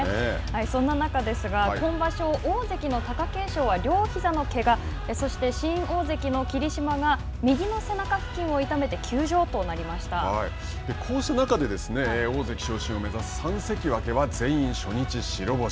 そんな中ですが、今場所、大関の貴景勝は両ひざのけが、そして新大関の霧島が右の背中付こうした中で大関昇進を目指す三関脇は全員初日白星。